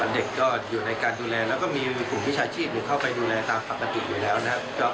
เด็กก็อยู่ในการดูแลแล้วก็มีกลุ่มวิชาชีพเข้าไปดูแลตามปกติอยู่แล้วนะครับ